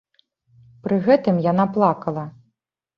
Пры гэтым яна плакала.